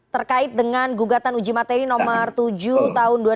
terkait dengan gugatan uji materi nomor tujuh tahun dua ribu dua